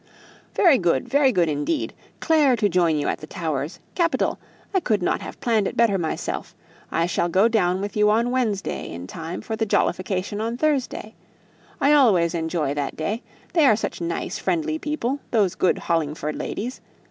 "Very good very good, indeed! Clare to join you at the Towers! Capital! I couldn't have planned it better myself! I shall go down with you on Wednesday in time for the jollification on Thursday. I always enjoy that day; they are such nice, friendly people, those good Hollingford ladies.